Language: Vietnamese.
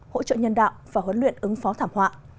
hỗ trợ nhân đạo và huấn luyện ứng phó thảm họa